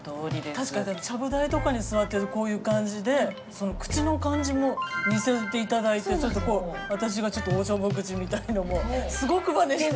確かにちゃぶ台とかに座ってるとこういう感じで口の感じも似せて頂いてちょっとこう私がちょっとおちょぼ口みたいのもすごくまねして。